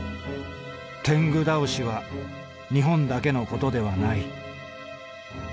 “天狗だおし”は日本だけのことではない」。